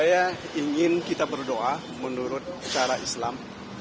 saya ingin kita berdoa menurut secara islam